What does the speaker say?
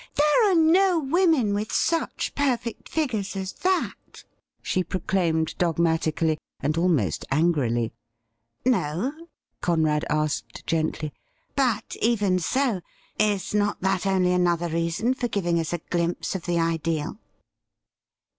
' There are no women with such perfect figures as that,' she proclaimed dogmatically, and almost angrily. ' No .?' Conrad asked gently. ' But, even so, is not that only another reason for giving us a glimpse of the ideal